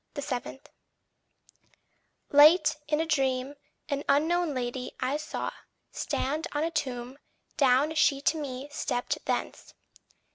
7. Late, in a dream, an unknown lady I saw Stand on a tomb; down she to me stepped thence.